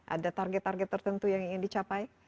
ada target target tertentu yang ingin dicapai